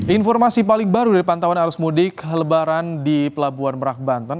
informasi paling baru dari pantauan arus mudik lebaran di pelabuhan merak banten